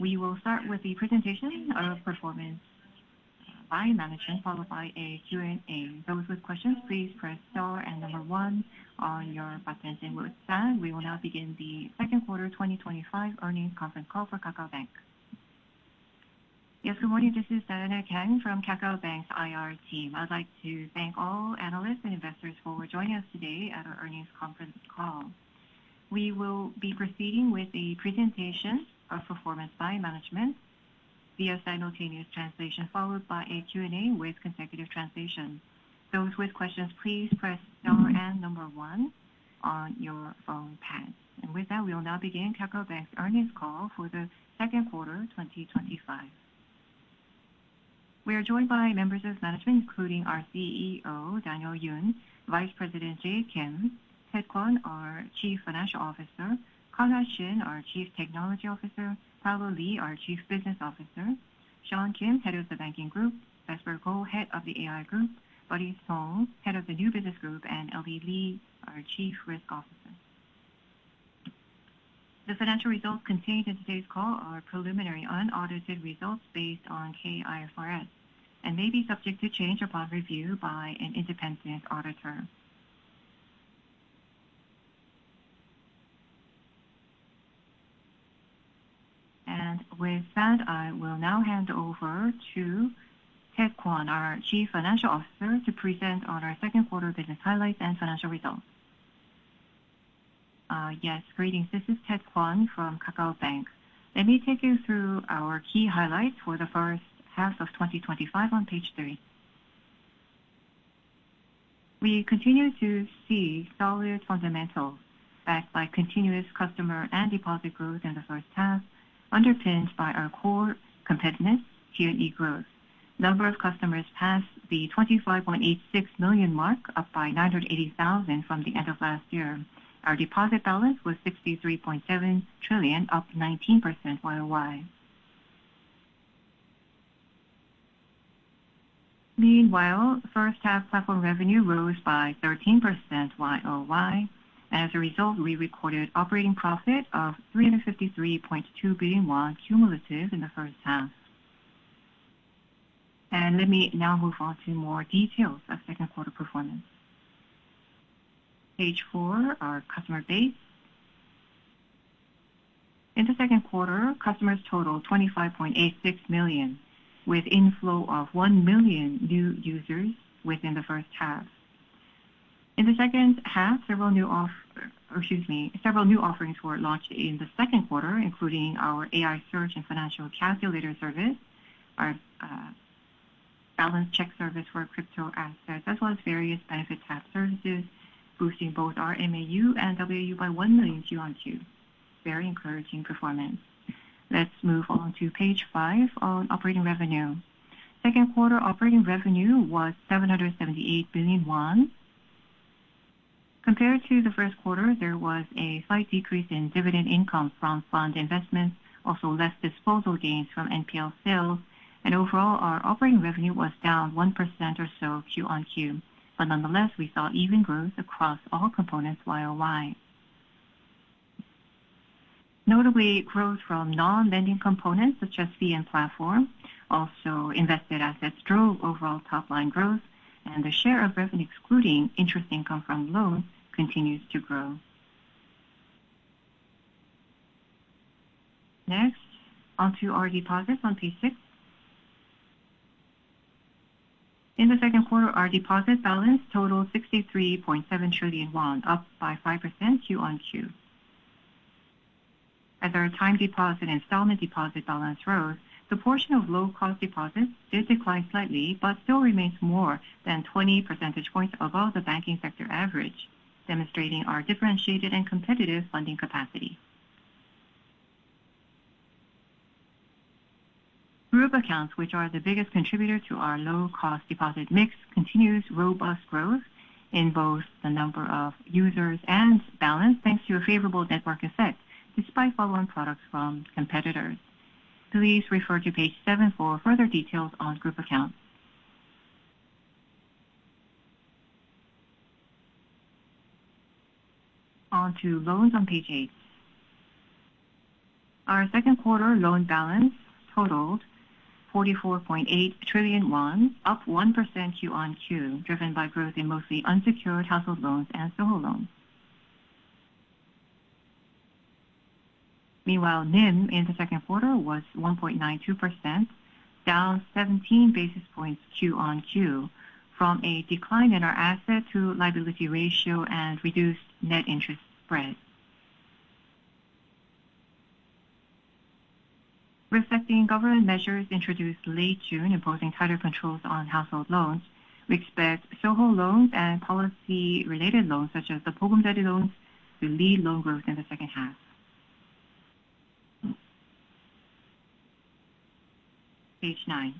We will start with the presentation of performance by management followed by a Q&A. Those with questions, please press star and number one on your phone pad. We will now begin the Second Quarter 2025 Earnings Conference Call for KakaoBank. Yes, good morning. This is Dianna Kang from KakaoBank's IR team. I'd like to thank all analysts and investors for joining us today at our earnings conference call. We will be proceeding with the presentation of performance by management via simultaneous translation, followed by a Q&A with consecutive translation. Those with questions, please press star and number one on your phone pad. With that, we will now begin KakaoBank's Earnings Call for the Second Quarter 2025. We are joined by members of management including our CEO Daniel Yoon, Vice President Jay Kim, Ted Kwon, our Chief Financial Officer, Conrad Shin, our Chief Technology Officer Paolo Lee, our Chief Business Officer, Sean Kim, Head of the Banking Group, Vesper Ko, Head of the AI Group Buddy Song, Head of the New Business Group Eli Lee, our Chief Risk Officer. The financial results contained in today's call are preliminary unaudited results based on K-IFRS and may be subject to change upon review by an independent auditor. With that, I will now hand over to Ted Kwon, our Chief Financial Officer, to present on our second quarter business highlights and financial results. Yes, greetings. This is Ted Kwon from KakaoBank. Let me take you through our key highlights for the first half of 2025 on page three. We continue to see solid fundamentals backed by continuous customer and deposit growth in the first half, underpinned by our core competitive Tier E growth. Number of customers passed the 25.86 million mark, up by 980,000 from the end of last year. Our deposit balance was 63.7 trillion, up 19% Y-o-Y. Meanwhile, first half platform revenue rose by 13% Y-o-Y. As a result, we recorded operating profit of 353.2 billion won cumulative in the first half. Let me now move on to more details of second quarter performance. Page four. Our customer base in the second quarter totaled 25.86 million with inflow of 1 million new users within the first half. In the second half, several new offerings were launched in the second quarter, including our AI search and financial calculator service, our balance check service for crypto assets, as well as various benefit tab services, boosting both our MAU and WU by 1 million. Very encouraging performance. Let's move on to page 5 on operating revenue. Second quarter operating revenue was 778 billion won. Compared to the first quarter, there was a slight decrease in dividend income from fund investment, also less disposal gains from NPL sales, and overall our operating revenue was down 1% or so Q-on-Q. Nonetheless, we saw even growth across all components year-over-year, notably growth from non-lending components such as fee and platform. Also, invested assets drove overall top line growth, and the share of revenue excluding interest income from loan continues to grow. Next, onto our deposits on page six. In the second quarter, our deposit balance totaled 63.7 trillion won, up by 5% Q-on-Q as our time deposit and installment deposit balance rose. The portion of low-cost deposits did decline slightly but still remains more than 20 percentage points above the banking sector average, demonstrating our differentiated and competitive funding capacity. Group accounts, which are the biggest contributor to our low-cost deposit mix, continue robust growth in both the number of users and balance thanks to a favorable network effect despite following products from competitors. Please refer to page seven for further details on group accounts. On to loans on page eight. Our second quarter loan balance totaled 44.8 trillion won, up 1% Q-on-Q, driven by growth in mostly unsecured household loans and SOHO loans. Meanwhile, NIM in the second quarter was 1.92%, down 17 basis points Q-on-Q from a decline in our asset to liability ratio and reduced net interest spread. Reflecting government measures introduced late June imposing tighter controls on household loans, we expect SOHO loans and policy-related loans such as the Bokum Jari loans to lead loan growth in the second half. Page nine.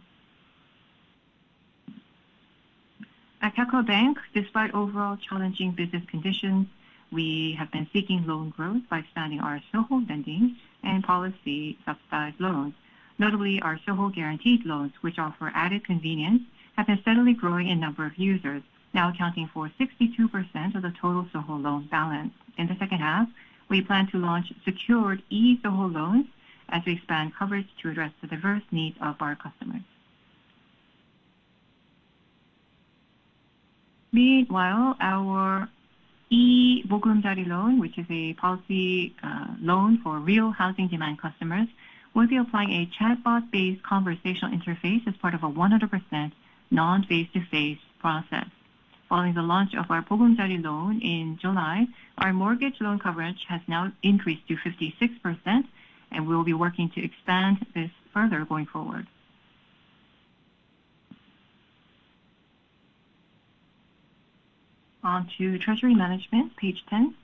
At KakaoBank, despite overall challenging business conditions, we have been seeking loan growth by expanding our SOHO lending and policy-subsidized loans. Notably, our SOHO guaranteed loans, which offer added convenience, have been steadily growing in number of users, now accounting for 62% of the total SOHO loan balance. In the second half, we plan to launch secured e-SOHO loans as we expand coverage to address the diverse needs of our customers. Meanwhile, our e-Bokum Jari loan, which is a policy loan for real housing demand customers, will be applying a chatbot-based conversational interface as part of a 100% non-face-to-face process. Following the launch of our Bogum Jari loan in July, our mortgage loan coverage has now increased to 56% and we'll be working to expand this further going forward. On to Treasury Management Page ten.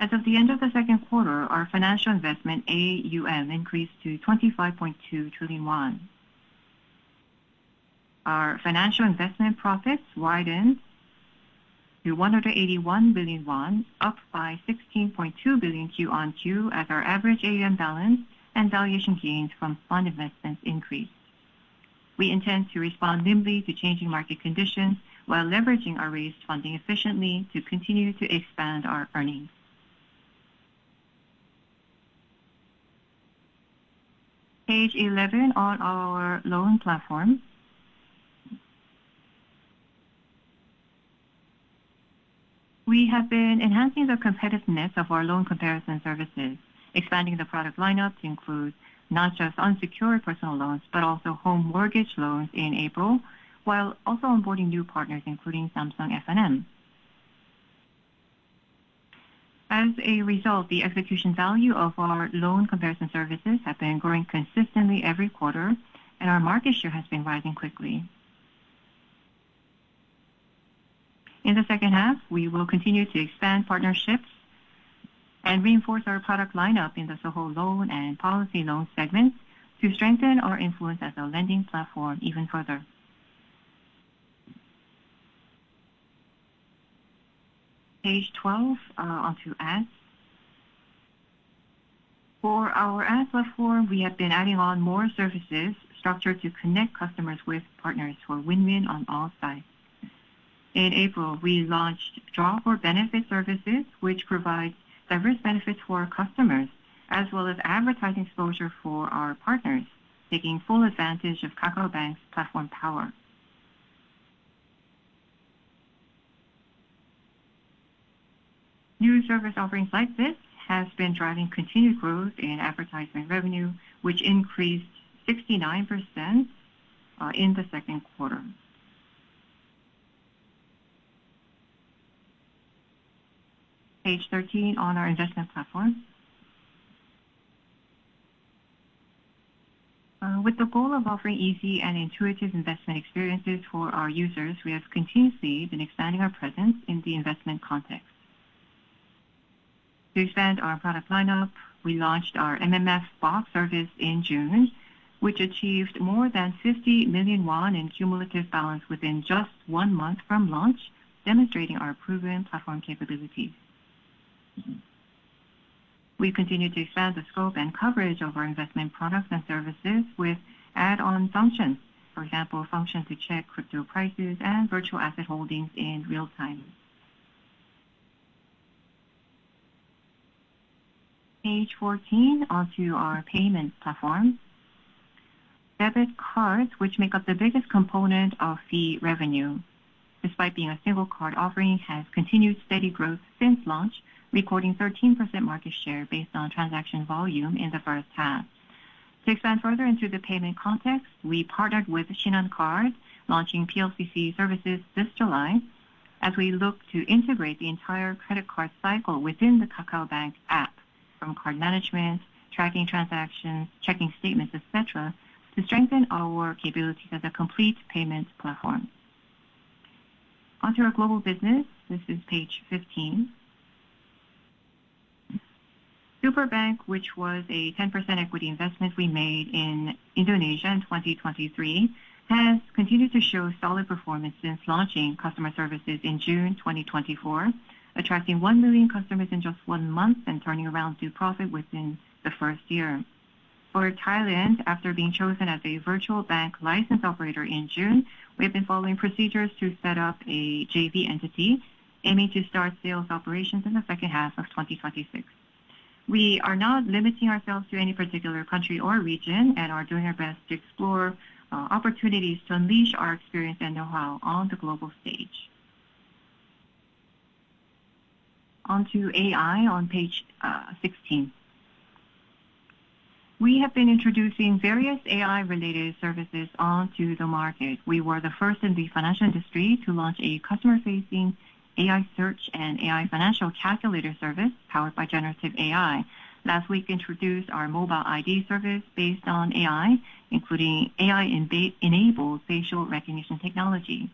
As of the end of the second quarter, our financial investment AUM increased to 25.2 trillion won. Our financial investment profits widened to 181 billion won, up by 16.2 billion Q-on-Q as our average AUM balance and valuation gains from fund investments increase. We intend to respond nimbly to changing market conditions while leveraging our raised funding efficiently to continue to expand our earnings. Page 11 on our loan platform we have been enhancing the competitiveness of our loan comparison services, expanding the product lineup to include not just unsecured personal loans but also home mortgage loans in April while also onboarding new partners including Samsung FNM. As a result, the execution value of our loan comparison services has been growing consistently every quarter and our market share has been rising quickly in the second half. We will continue to expand partnerships and reinforce our product lineup in the SOHO loan and policy loan segments to strengthen our influence as a lending platform even further. Page 12 onto ads for our ad platform, we have been adding on more services structured to connect customers with partners for win-win on all sides. In April we launched benefit tab services which provides diverse benefits for customers as well as advertising exposure for our partners. Taking full advantage of KakaoBank's platform power, new service offerings like this have been driving continued growth in advertisement revenue which increased 59% in the second quarter. Page 13 on our investment platform with the goal of offering easy and intuitive investment experiences for our users, we have continuously been expanding our presence in the investment context to expand our product lineup. We launched our MMS Box service in June which achieved more than 50 million won in cumulative balance within just one month from launch, demonstrating our proven platform capabilities. We continue to expand the scope and coverage of our investment products and services with add-on functions, e.g. function to check crypto prices and virtual asset holdings in real time. Page 14 onto our payment platform. Debit cards, which make up the biggest component of fee revenue despite being a single card offering, have continued steady growth since launch, recording 13% market share based on transaction volume in the first half. To expand further into the payment context, we partnered with Shinhan Card, launching PLCC services this July as we look to integrate the entire credit card cycle within the KakaoBank app from card management, tracking transactions, checking statements, etc., to strengthen our capabilities as a complete payment platform. Onto our global business, this is page 15. Superbank, which was a 10% equity investment we made in Indonesia in 2023, has continued to show solid performance since launching customer services in June 2024, attracting 1 million customers in just one month and turning around due profit within the first year. For Thailand, after being chosen as a virtual bank license operator in June, we have been following procedures to set up a JV entity, aiming to start sales operations in the second half of 2026. We are not limiting ourselves to any particular country or region and are doing our best to explore opportunities to unleash our experience and know-how on the global stage. Onto AI on page 16, we have been introducing various AI-related services onto the market. We were the first in the financial industry to launch a customer-facing AI search and financial calculator service powered by Generative AI. Last week, we introduced our mobile ID service based on AI, including AI-enabled facial recognition technology.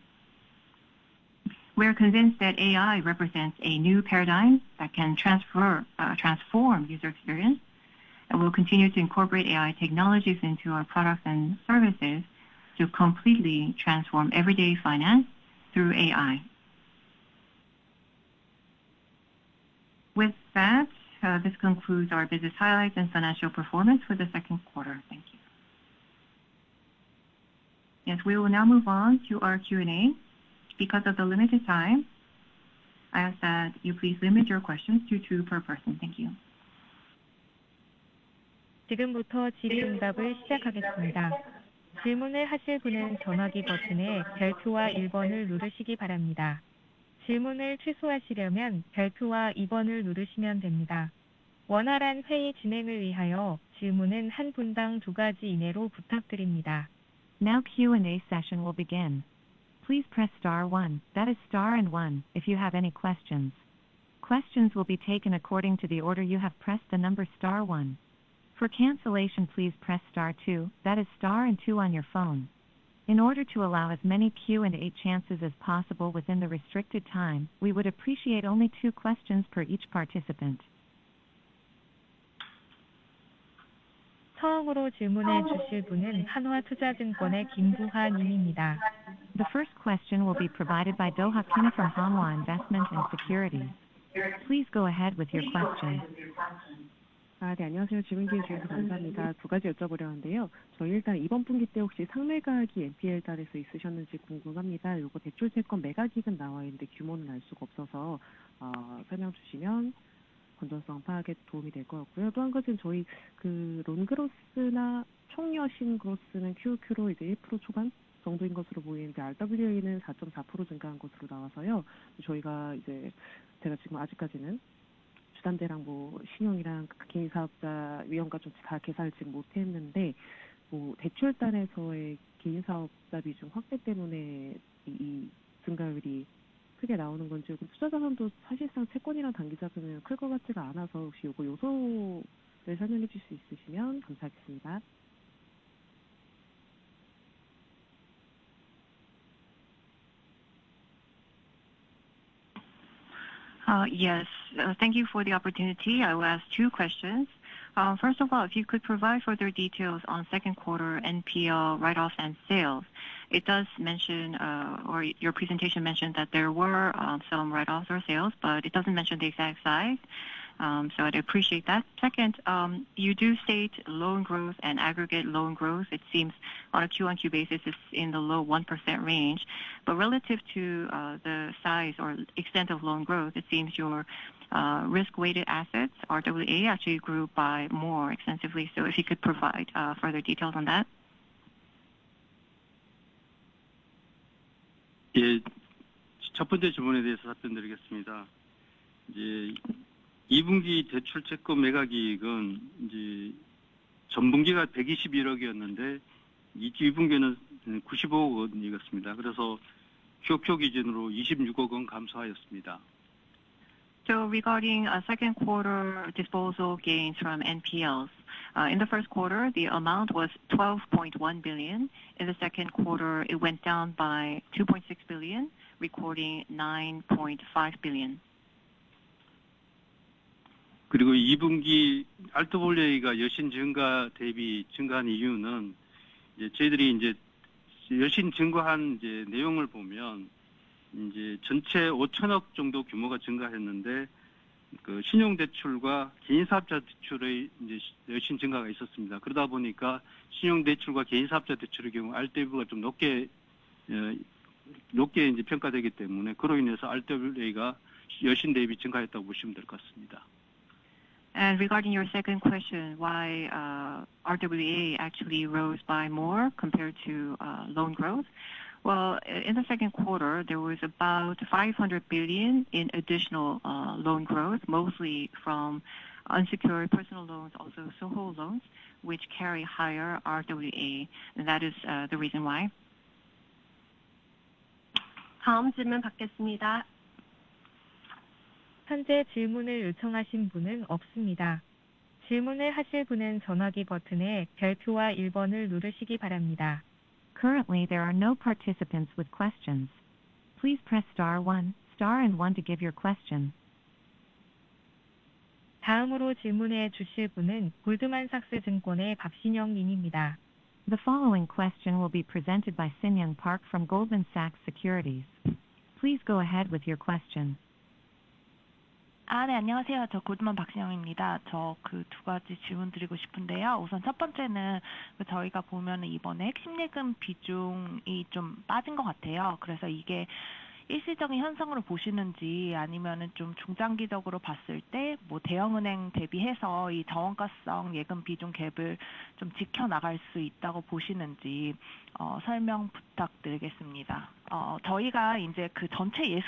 We're convinced that AI represents a new paradigm that can transform user experience, and we'll continue to incorporate AI technologies into our products and services to completely transform everyday finance through AI. With that, this concludes our business highlights and financial performance for the second quarter. Thank you. Yes, we will now move on to our Q&A. Because of the limited time, I have said you please limit your questions to two per person. Thank you. Now Q&A session will begin. Please press star one, that is star and one, if you have any questions. Questions will be taken according to the order you have pressed the number one. For cancellation, please press Star two, that is star and two, on your phone. In order to allow as many Q&A chances as possible within the restricted time, we would appreciate only two questions per each participant. The first question will be provided by Doha Kim from Hanwha Investment & Securities. Please go ahead with your question. Yes, thank you for the opportunity. I will ask two questions. First of all, if you could provide further details on second quarter NPL write offs and sales. It does mention or your presentation mentioned that there were selling write offs or sales, but it doesn't mention the exact size, so I'd appreciate that. Second, you do state loan growth and aggregate loan growth. It seems on a Q1Q basis it's in the low 1% range. Relative to the size or extent of loan growth, it seems your risk-weighted assets, RWA, actually grew by more extensively. If you could provide further details on that. Regarding second quarter disposal gains from NPLs, in the first quarter the amount was 12.1 billion. In the second quarter it went down by 2.2 billion, recording 9.5 billion. Regarding your second question, why RWA actually rose by more compared to loan growth, in the second quarter there was about 500 billion in additional loan growth, mostly from unsecured personal loans, also SOHO loans which carry higher RWA, and that is the reason why. Currently, there are no participants with questions. Please press star one, star and one to give your question. The following question will be presented by Sinyoung Park from Goldman Sachs Securities. Please go ahead with your question. Yes, this is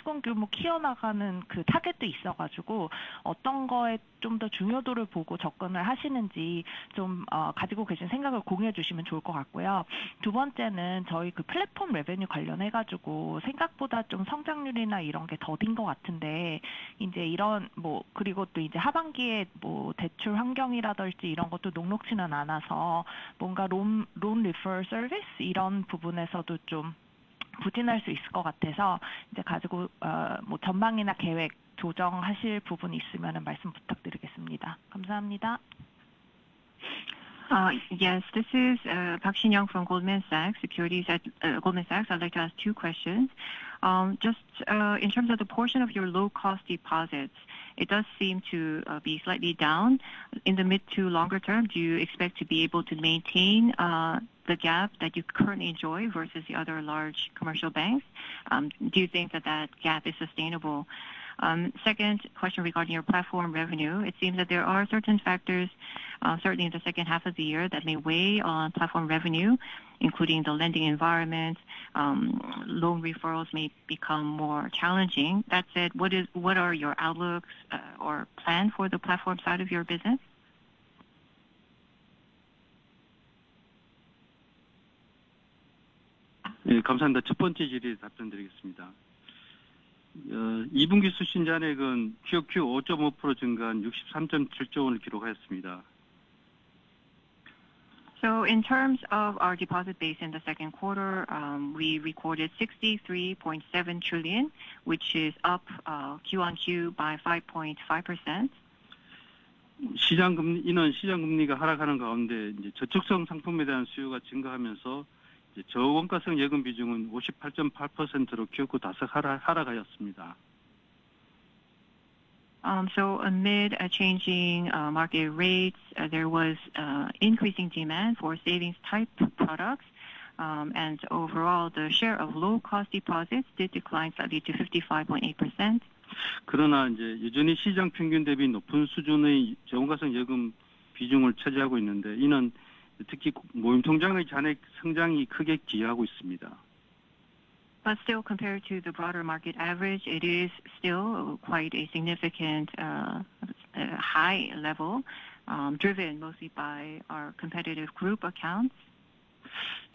Park Sinyoung from Goldman Sachs Securities. At Goldman Sachs, I'd like to ask two questions. Just in terms of the portion of your low cost deposits, it does seem to be slightly down. In the mid to longer term, do you expect to be able to maintain the gap that you currently enjoy versus the other large commercial banks? Do you think that that gap is sustainable? Second question, regarding your platform revenue, it seems that there are certain factors certainly in the second half of the year that may weigh on platform revenue, including the lending environment. Loan referrals may become more challenging. That said, what are your outlooks or plan for the platform side of your business? In terms of our deposit base, in the second quarter we recorded KRW 63.7 trillion, which is up Q-on-Q by 5.5%. Amid changing market rates, there was increasing demand for savings type products, and overall the share of low cost deposits did decline slightly to 55.8%. Still, compared to the broader market average, it is quite a significantly high level, driven mostly by our competitive group accounts.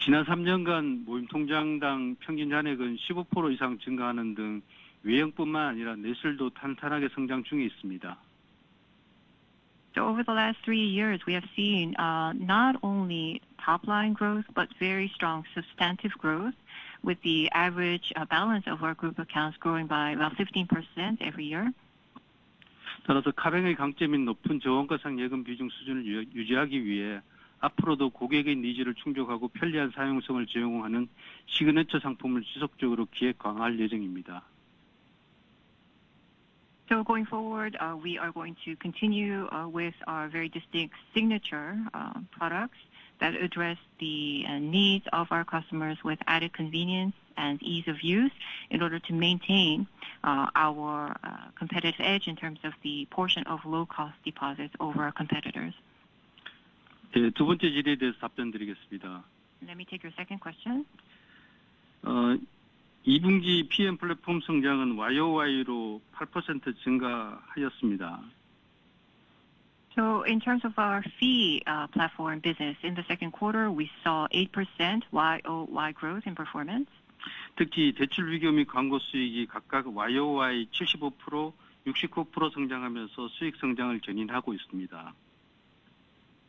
Over the last three years, we have seen not only top line growth but very strong substantive growth, with the average balance of our group accounts growing by about 15% every year. Going forward, we are going to continue with our very distinct signature products that address the needs of our customers with added convenience and ease of use in order to maintain our competitive edge in terms of the portion of low cost deposits over our competitors. Let me take your second question. In terms of our fee platform business, in the second quarter we saw 8% Y-o-Y growth in performance,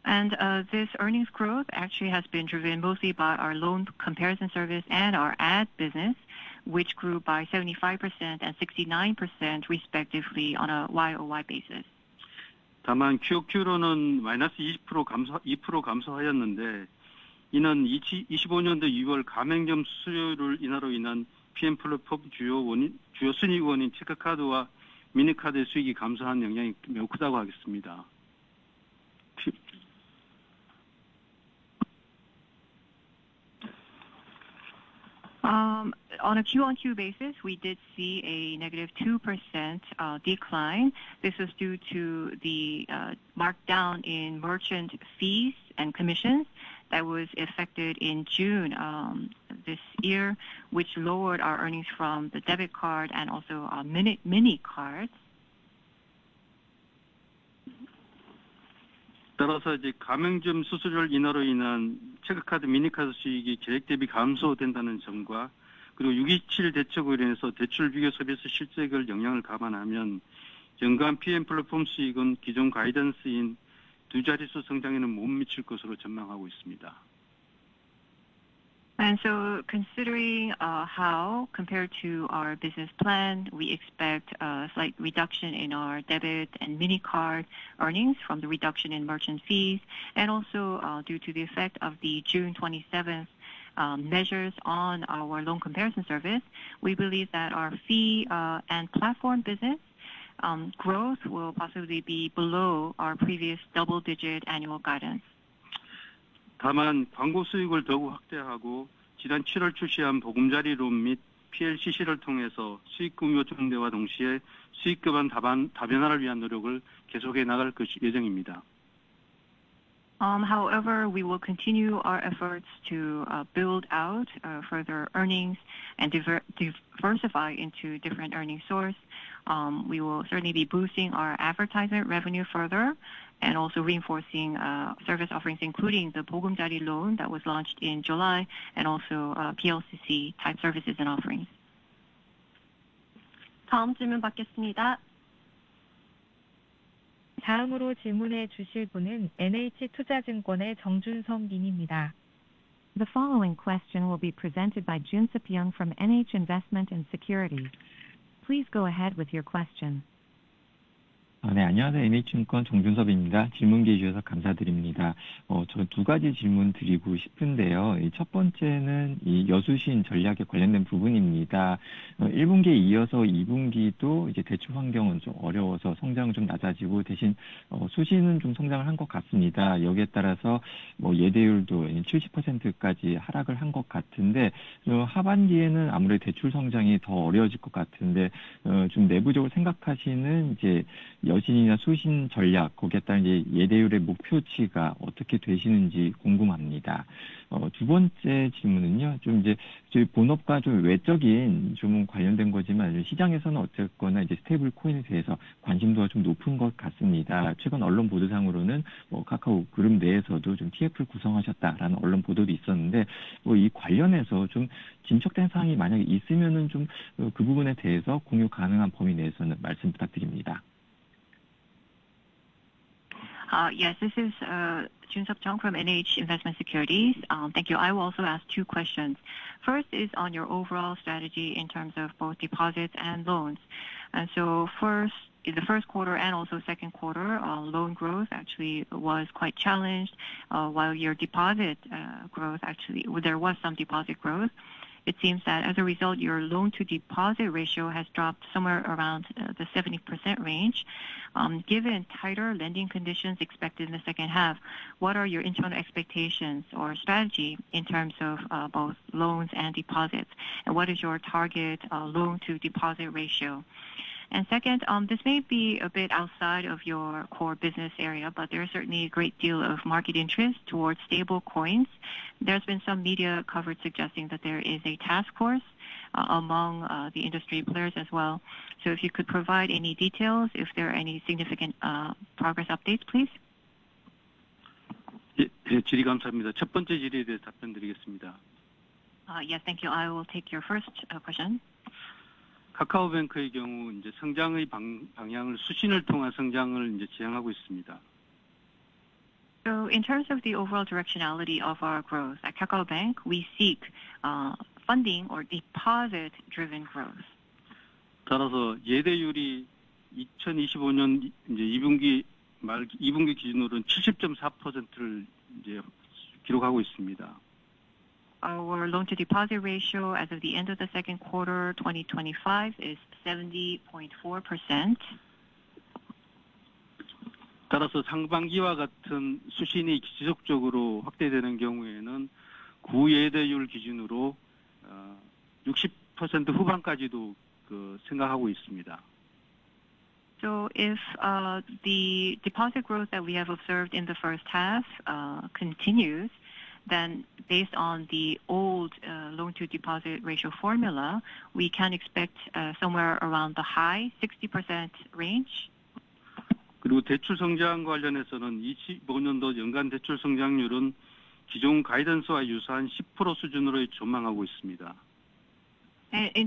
and this earnings growth actually has been driven mostly by our loan comparison service and our ad business, which grew by 75% and 69% respectively on a Y-o-Y basis. On a Q-on-Q basis, we did see a negative 2% decline. This was due to the markdown in merchant fees and commissions that was effected in June this year, which lowered our earnings from the debit card and also mini cards. Considering how, compared to our business plan, we expect a slight reduction in our debit and mini card earnings from the reduction in merchant fees and also due to the effect of the June 27th measures on our loan comparison service, we believe that our fee and platform business growth will possibly be below our previous double digit annual guidance. However, we will continue our efforts to build out further earnings and diversify into different earning sources. We will certainly be boosting our advertisement revenue further and also reinforcing service offerings, including the Bogum Dari loan that was launched in July, and also PLCC type services and offerings. The following question will be presented by Jung Seok-Yong from NH Investment & Securities. Please go ahead with your question. Yes, this is Jung Seok-Yong from NH Investment & Securities. Thank you. I will also ask two questions. First is on your overall strategy in terms of both deposits and loans. In the first quarter and also second quarter, loan growth actually was quite challenged while your deposit growth, actually there was some deposit growth. It seems that as a result, your loan to deposit ratio has dropped somewhere around the 70% range. Given tighter lending conditions expected in the second half, what are your internal expectations or strategy in terms of both loans and deposits? What is your target loan to deposit ratio? Second, this may be a bit outside of your core business area, but there is certainly a great deal of market interest towards stablecoins. There's been some media coverage suggesting that there is a task force among the industry players as well. If you could provide any details, if there are any significant progress updates, please. Yes, thank you. I will take your first question. In terms of the overall directionality of our growth at KakaoBank, we seek funding or deposit driven growth. Our loan to deposit ratio as of the end of the second quarter 2025 is 70.4%. If the deposit growth that we have observed in the first half continues, then based on the old loan to deposit ratio formula, we can expect somewhere around the high 60% range. In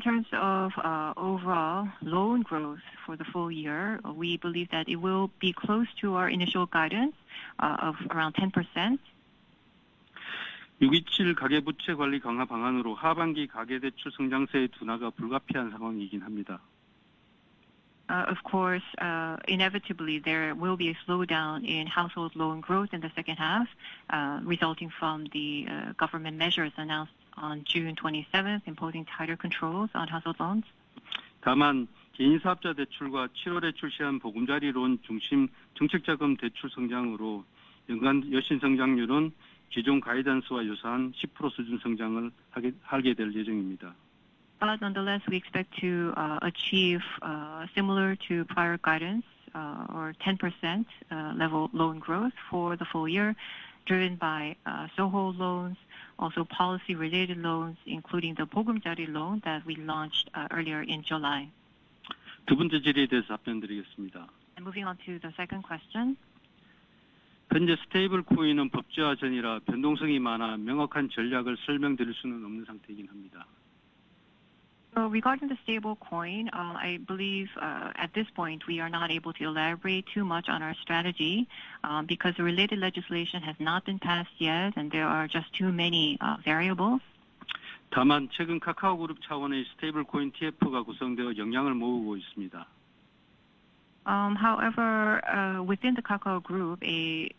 terms of overall loan growth for the full year, we believe that it will be close to our initial guidance of around 10%. Of course, inevitably there will be a slowdown in household loan growth in the second half resulting from the government measures announced on June 27 imposing tighter controls on household loans. Nonetheless, we expect to achieve similar to prior guidance or 10% level loan growth for the full year driven by SOHO loans. Also, policy related loans, including the Bogum Diary loan that we launched earlier in July. Moving on to the second question regarding the stablecoin, I believe at this point we are not able to elaborate too much on our strategy because the related legislation has not been passed yet and there are just too many variables. However, within the Kakao Group, a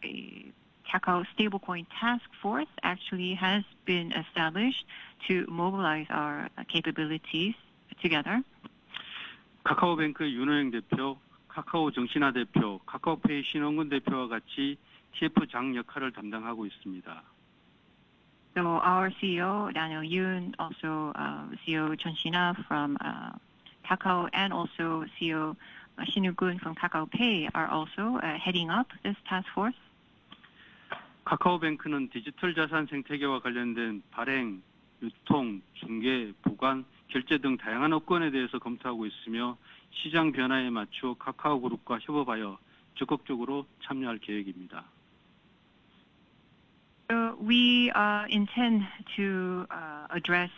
Kakao stablecoin task force actually has been established to mobilize our capabilities together. Our CEO Daniel Yoon, also CEO Chun Shin-a from Kakao, and also CEO Shin Won-keun from Kakao Pay are also heading up this task force. We intend to address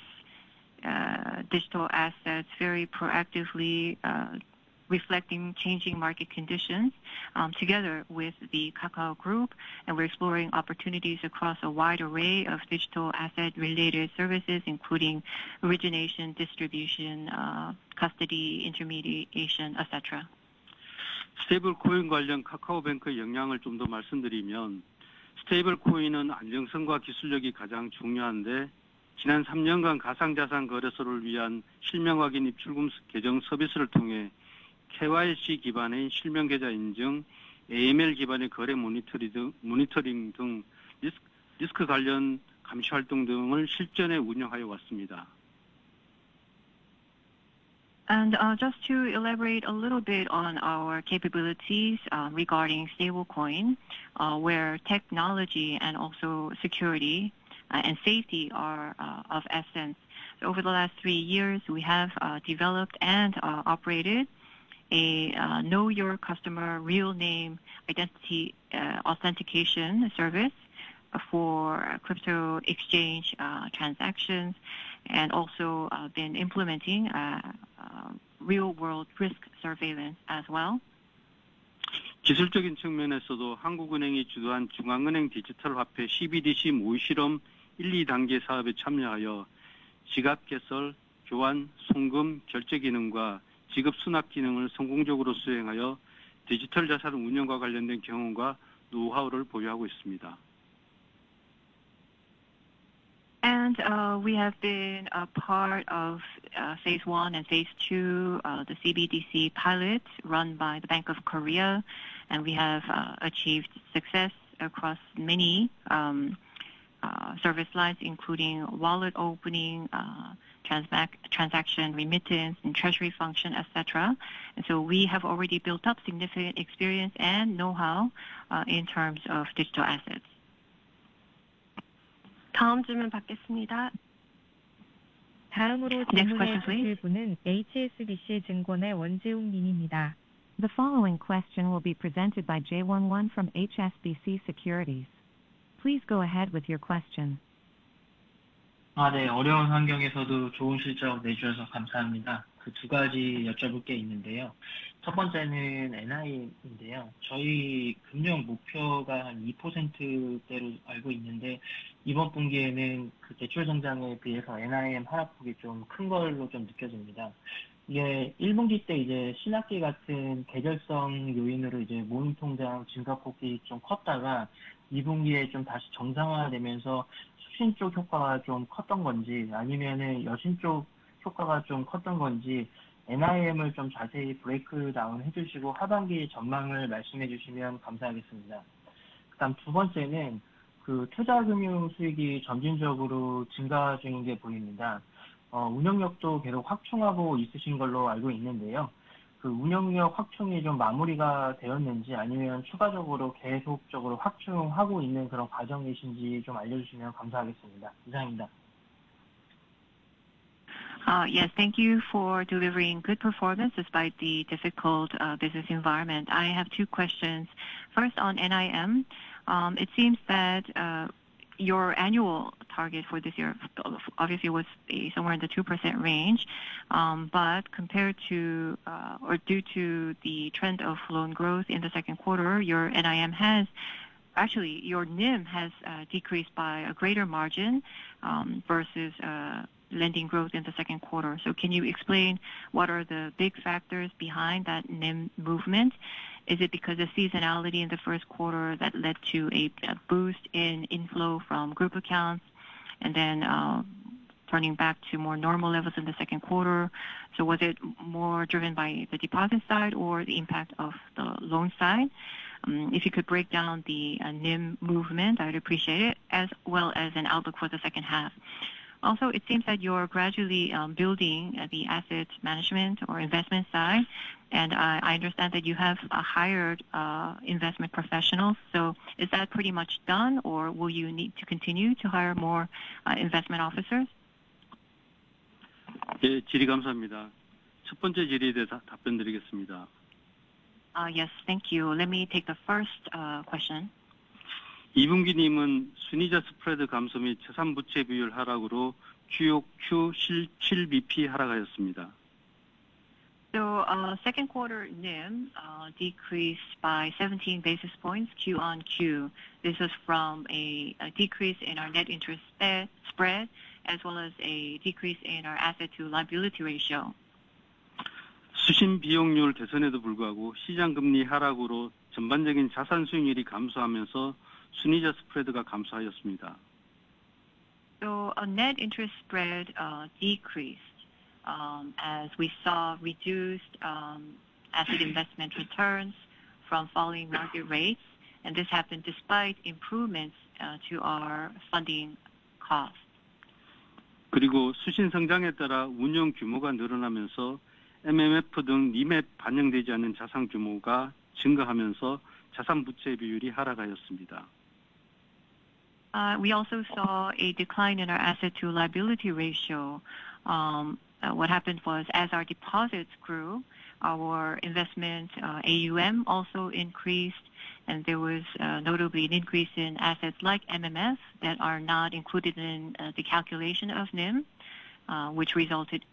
digital assets very proactively, reflecting changing market conditions together with the Kakao Group, and we're exploring opportunities across a wide array of digital asset related services including rich origination, distribution, custody, intermediation, etc. To elaborate a little bit on our capabilities regarding stablecoin, where technology and also security and safety are of essence, over the last three years we have developed and operated a know your customer real name identity authentication service for crypto exchange transactions and also been implementing real world risk surveillance as well. We have been a part of Phase One and Phase Two of the CBDC pilot run by the Bank of Korea, and we have achieved success across many service lines including wallet opening, transaction remittance, and treasury function, etc. We have already built up significant experience and know-how in terms of digital assets. Next question please. The following question will be presented by Jay wang from HSBC. Please go ahead with your question. Yes, thank you for delivering good performance despite the difficult business environment. I have two questions. First on NIM. It seems that your annual target for this year obviously was somewhere in the 2% range. Compared to or due to the trend of flowing growth in the second quarter, your NIM has decreased by a greater margin versus lending growth in the second quarter. Can you explain what are the big factors behind that NIM movement? Is it because of seasonality in the first quarter that led to a boost in inflow from group accounts and then turning back to more normal levels in the second quarter? Was it more driven by the deposit side or the impact of the loan side? If you could break down the NIM movement I would appreciate as well as an outlook for the second half. Also, it seems that you're gradually building the asset management or investment side and I understand that you have hired investment professionals. Is that pretty much done or will you need to continue to hire more investment officers? Yes, thank you. Let me take the first question. Second quarter NIM decreased by 17 basis points Q-on-Q. This is from a decrease in our net interest spread as well as a decrease in our asset to liability ratio. A net interest spread decreased as we saw reduced asset investment returns from falling market rates and this happened despite improvements to our funding cost. We also saw a decline in our asset to liability ratio. What happened was as our deposits grew, our investment AUM also increased and there was notably an increase in assets like MMS that are not included in the calculation of NIM, which resulted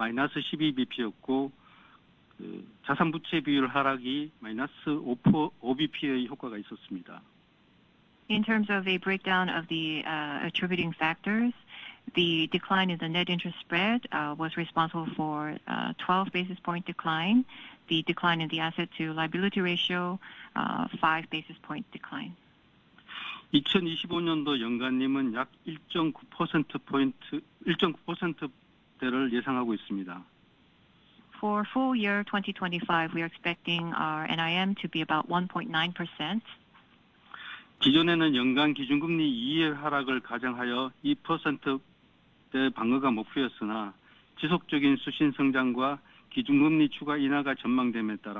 in the decline in the asset to liability ratio. In terms of a breakdown of the attributing factors, the decline in the net interest spread was responsible for a 12 basis point decline. The decline in the asset to liability ratio was a 5 basis point decline. For full year 2025, we are expecting our NIM to be about 1.9%. Previously, we had been aiming to defend somewhere around the 2% level based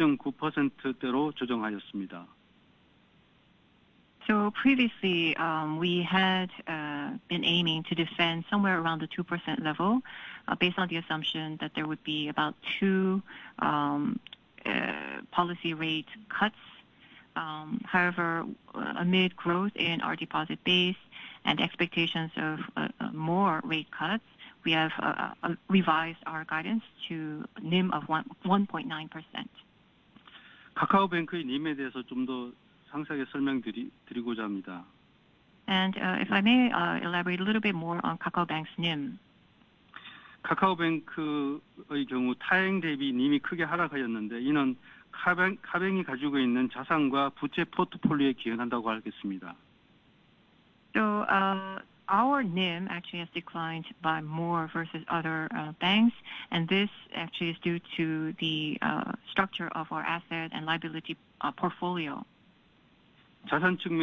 on the assumption that there would be about two policy rate cuts. However, amid growth in our deposit base and expectations of more rate cuts, we have revised our guidance to NIM of 1.9%. If I may elaborate a little bit more on KakaoBank's NIM, our NIM actually has declined by more versus other banks. This is due to the structure of our asset and liability portfolio. On the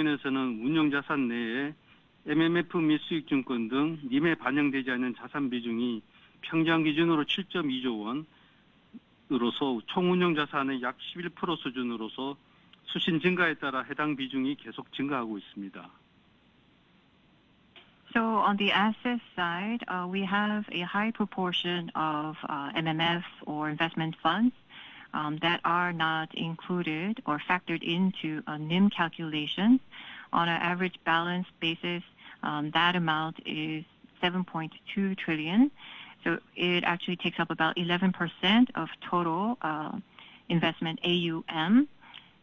asset side, we have a high proportion of MMF or investment funds that are not included or factored into a NIM calculation. On an average balance basis, that amount is 7.2 trillion. It actually takes up about 11% of total investment AUM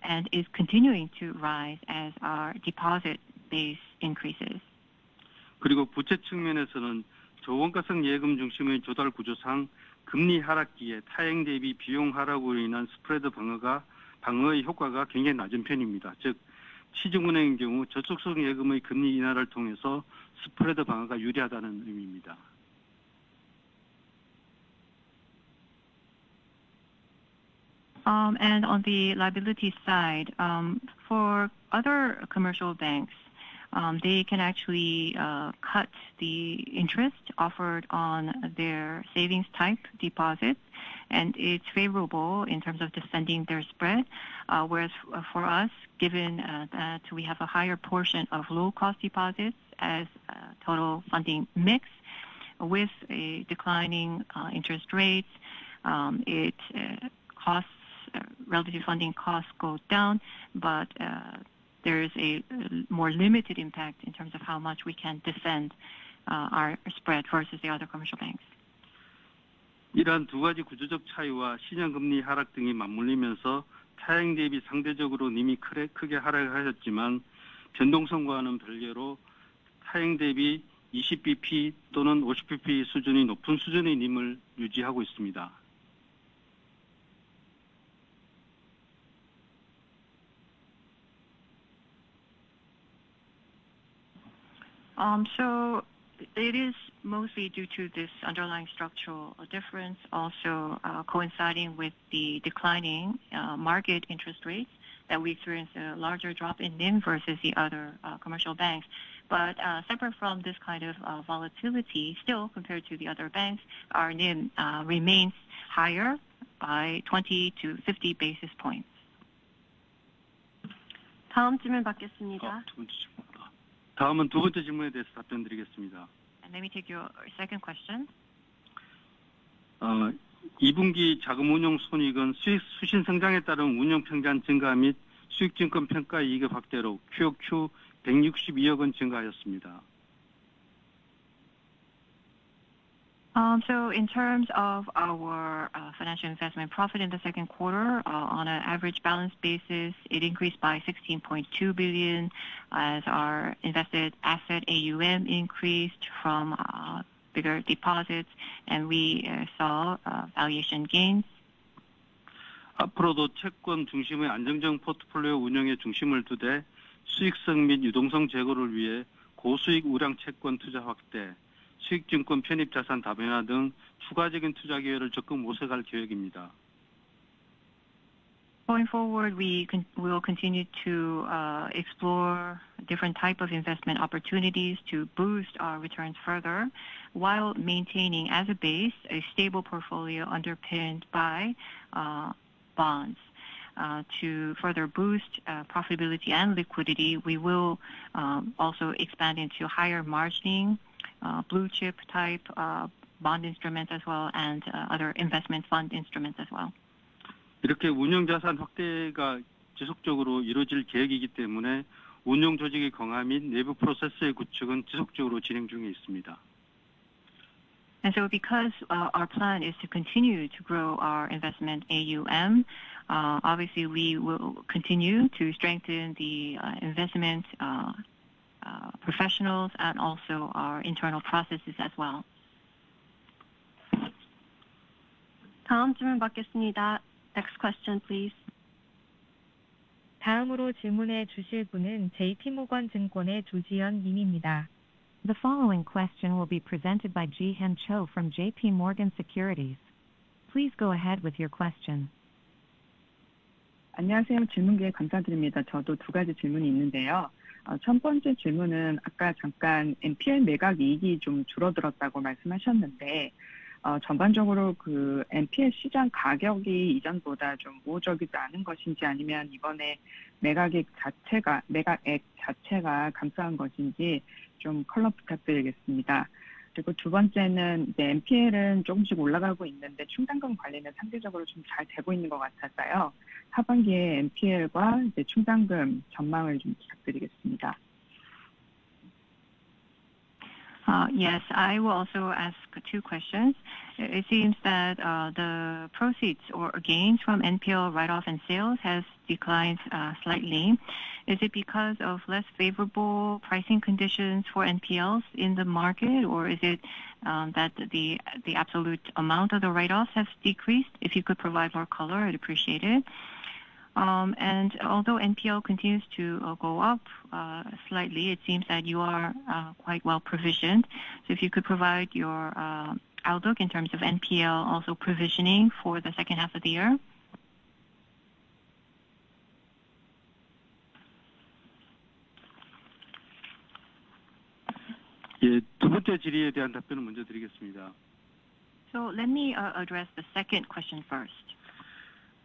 and is continuing to rise as our deposit base increases. On the liability side, for other commercial banks, they can actually cut the interest offered on their savings-type deposit and it's favorable in terms of defending their spread. Whereas for us, given that we have a higher portion of low-cost deposits as total funding mix with a declining interest rate, relative funding costs go down. There is a more limited impact in terms of how much we can defend our spread versus the other commercial banks. It is mostly due to this underlying structural difference, also coinciding with the declining market interest rates, that we experienced a larger drop in NIM versus the other commercial banks. Separate from this kind of volatility, still compared to the other banks, our NIM remains higher by 20-50 basis points. Let me take your second question. In terms of our financial investment profit in the second quarter, on an average balance basis, it increased by 16.2 billion as our invested asset AUM increased from bigger deposits and we saw valuation gains. Going forward, we will continue to explore different types of investment opportunities to boost our returns further while maintaining as a base a stable portfolio underpinned by bonds. To further boost profitability and liquidity, we will also expand into higher-margining blue chip-type bond instruments as well and other investment fund instruments as well. Because our plan is to continue to grow our investment AUM, obviously we will continue to strengthen the investment professionals and also our internal processes as well. Councilman Bakkesnida, next question, please. The following question will be presented by Ji-Hyun Cho from JPMorgan Securities. Please go ahead with your question. Yes, I will also ask two questions. It seems that the proceeds or gains from NPL write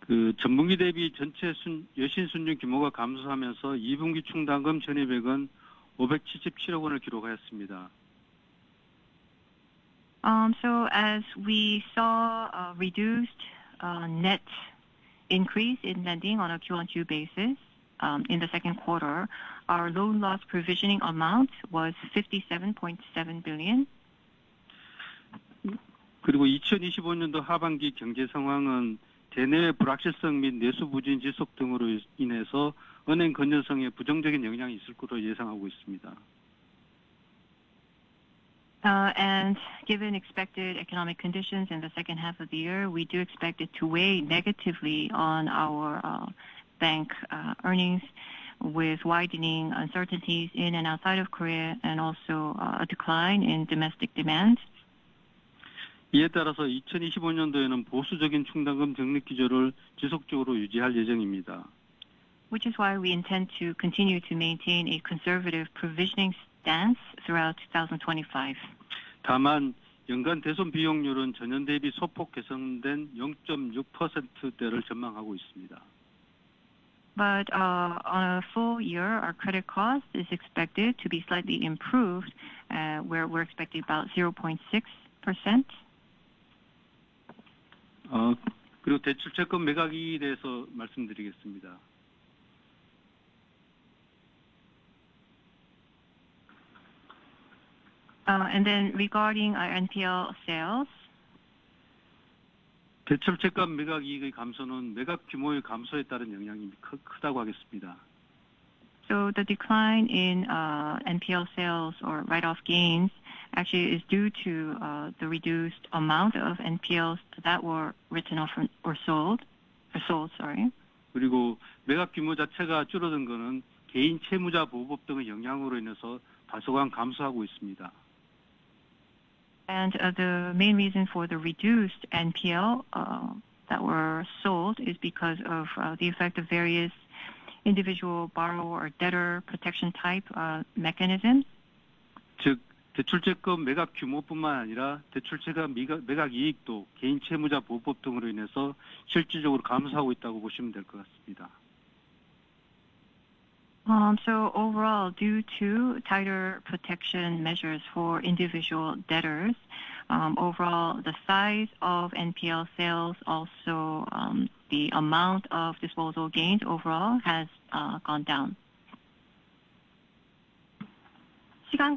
off This is why we intend to continue to maintain a conservative provisioning stance throughout 2024. On a full year, our credit cost is expected to be slightly improved where we're expecting about 0.6%. Regarding NPL sales, the decline in NPL sales or write off gains actually is due to the reduced amount of NPLs that were written off or sold. The main reason for the reduced NPL that were sold is because of the effect of various individual borrower or debtor protection type mechanism. Overall, due to tighter protection measures for individual debtors, the size of NPL sales and the amount of disposal gained overall has gone down. We'll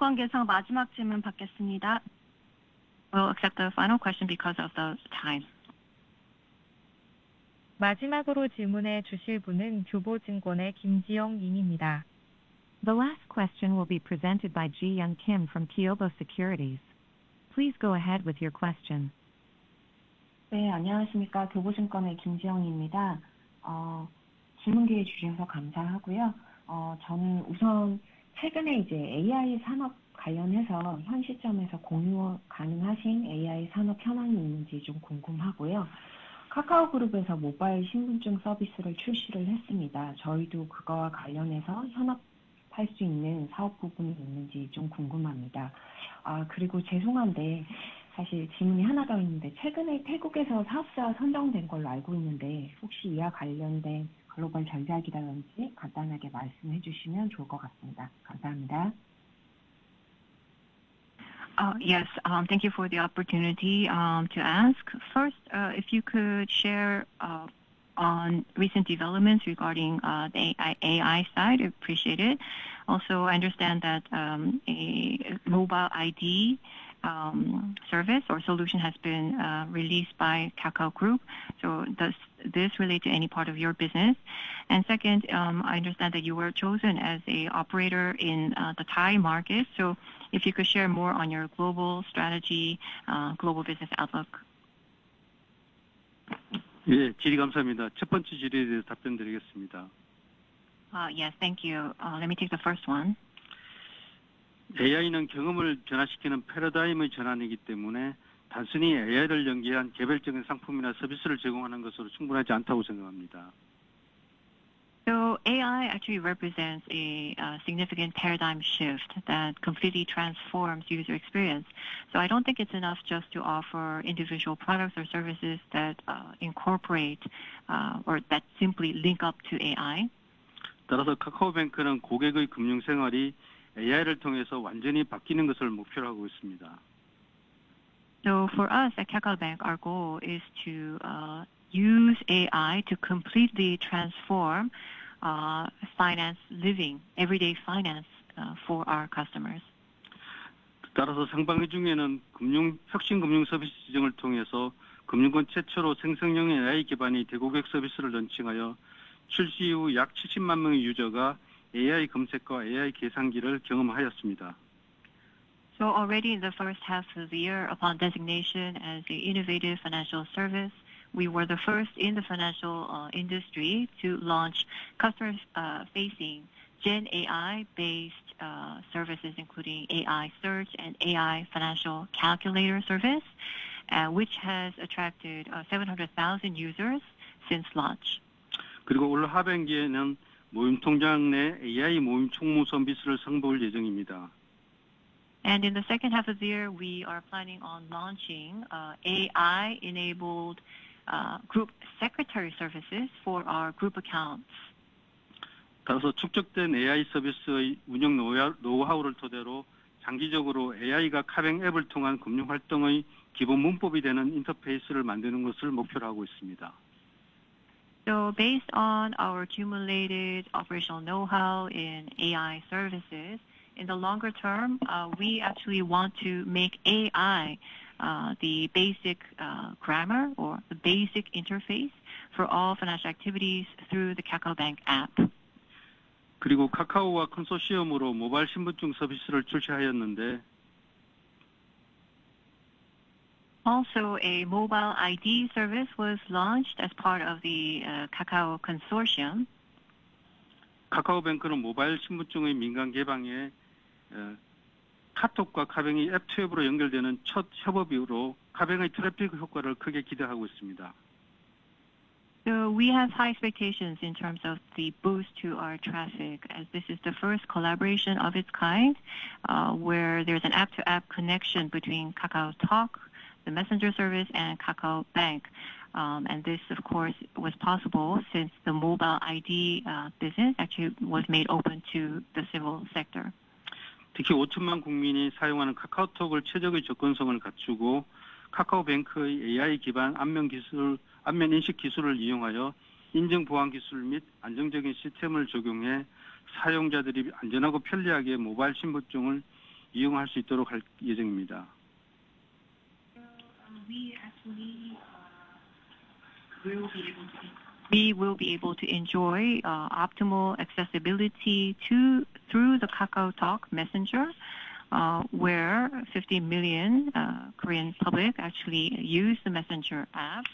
accept the final question because of the time. The last question will be presented by Ji-Young Kim from Kyobo Securities. Please go ahead with your question. Yes, thank you for the opportunity to ask. First, if you could share on recent developments regarding the AI side. Appreciate it. Also, I understand that a mobile ID service or solution has been released by Kakao Group. Does this relate to any part of your business? I understand that you were chosen as an operator in the Thai market. If you could share more on your global strategy, global business outcome. Yes, thank you. Let me take the first one. AI actually represents a significant paradigm shift that completely transforms user experience. I don't think it's enough just to offer individual products or services that incorporate or that simply link up to AI. For us at KakaoBank, our goal is to use AI to completely transform finance living, everyday finance for our customers. Already in the first half of the year, upon designation as the innovative financial service, we were the first in the financial industry to launch customer-facing gen AI-based services including AI search and financial calculator service, which has attracted 700,000 users since launch. In the second half of the year, we are planning on launching AI-enabled group secretary services for our group accounts. Based on our accumulated operational know-how in AI services, in the longer term we actually want to make AI the basic grammar or the basic interface for all financial activities through the KakaoBank app. Also, a mobile ID service was launched as part of the Kakao Consortium. We have high expectations in terms of the boost to our traffic as this is the first collaboration of its kind where there's an app-to-app connection between KakaoTalk, the messenger service, and KakaoBank. This was possible since the mobile ID business actually was made open to the civil sector. We will be able to enjoy optimal accessibility through the KakaoTalk messenger where 50 million Korean public actually use the messenger app.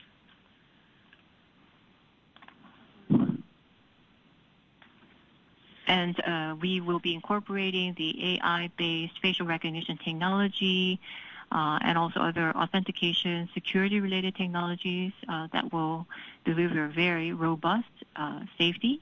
We will be incorporating the AI-based facial recognition technology and also other authentication security-related technologies that will deliver very robust safety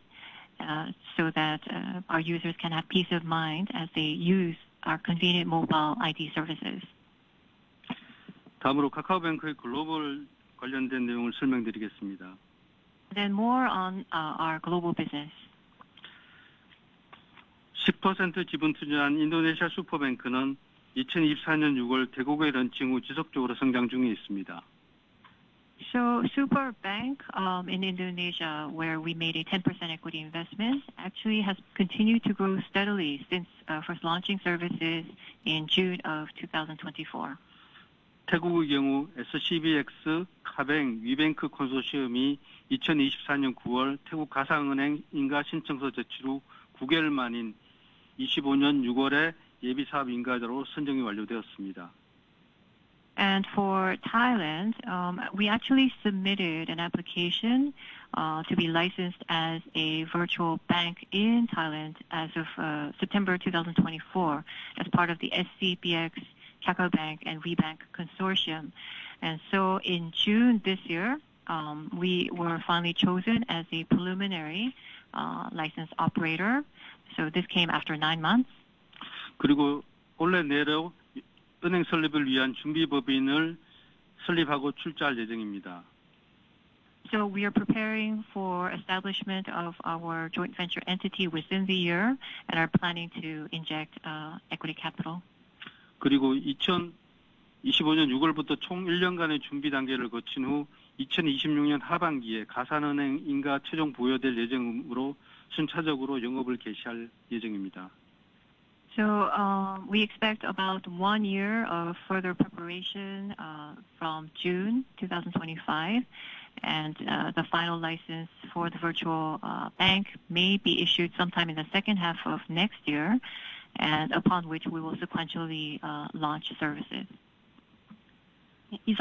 With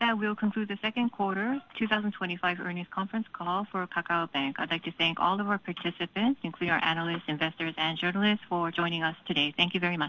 that, we'll conclude the second quarter 2025 earnings conference call for KakaoBank. I'd like to thank all of our participants, including our analysts, investors, and journalists, for joining us today. Thank you very much.